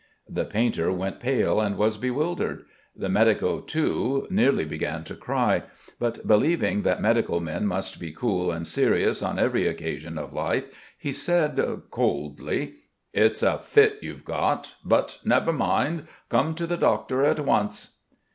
The painter went pale and was bewildered. The medico, too, nearly began to cry; but, believing that medical men must be cool and serious on every occasion of life, he said coldly: "It's a fit you've got. But never mind. Come to the doctor, at once."